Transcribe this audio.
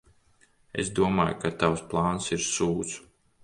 Es domāju, ka tavs plāns ir sūds.